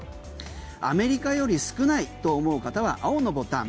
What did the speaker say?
アメリカより少ないと思う方は青のボタン